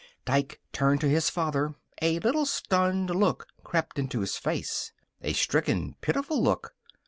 Dike turned to his father. A little stunned look crept into his face. A stricken, pitiful look.